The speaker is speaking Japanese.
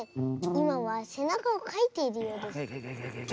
いまはせなかをかいているようです。